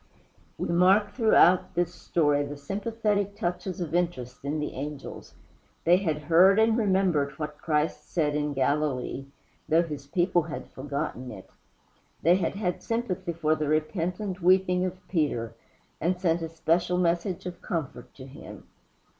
We mark throughout this story the sympathetic touches of interest in the angels. They had heard and remembered what Christ said in Galilee, though his people had forgotten it. They had had sympathy for the repentant weeping of Peter, and sent a special message of comfort to him.